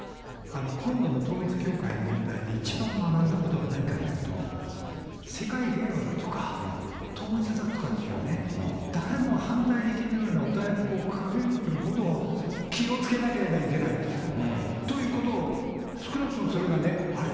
今度の統一教会の問題で、一番学んだことは何かというと、世界平和だとか、統一だとかっていうね、誰も反対できないようなお題目を掲げてくるほど、気をつけなければいけないということを、少なくともそれがね、あれ？